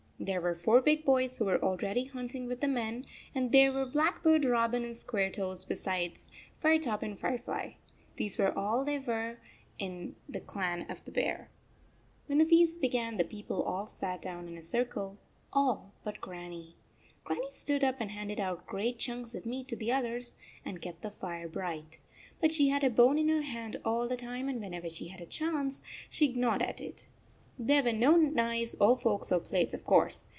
There were four big boys, who were already hunt ing with the men, and there were Blackbird, Robin, and Squaretoes, besides Firetop and Firefly. These were all there were in the clan of the Bear. When the feast began, the people all sat down in a circle, all but Grannie. Grannie stood up and handed out great chunks of meat to the others and kept the fire bright. But she had a bone in her hand all the time, and whenever she had a chance, she gnawed it. There were no knives or forks or plates, of course.